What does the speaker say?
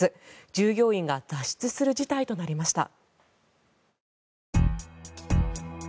従業員が脱出する事態となりました。